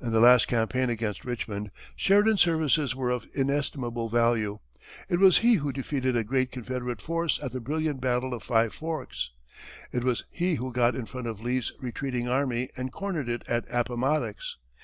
In the last campaign against Richmond, Sheridan's services were of inestimable value; it was he who defeated a great Confederate force at the brilliant battle of Five Forks; it was he who got in front of Lee's retreating army and cornered it at Appomattox.